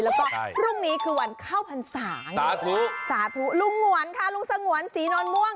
แล้วก็พรุ่งนี้คือวันเข้าพรรษาสาธุสาธุลุงหงวนค่ะลุงสงวนศรีนวลม่วง